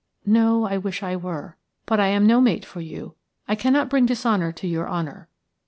"No, I wish I were; but I am no mate for you; I cannot bring dishonour to your honour.